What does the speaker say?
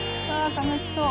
楽しそう。